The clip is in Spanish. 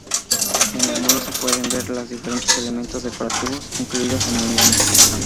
En el muro se pueden ver las diferentes elementos decorativos incluidos en el mismo.